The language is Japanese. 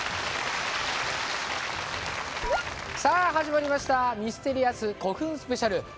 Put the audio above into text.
さあ始まりました「ミステリアス古墳スペシャル」。